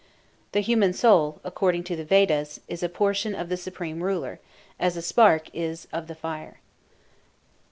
The human soul, according to the Vedas, is a portion of the supreme ruler, as a spark is of the fire.